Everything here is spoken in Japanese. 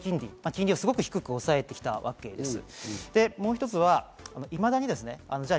金利をすごく低く抑えてきたわけです。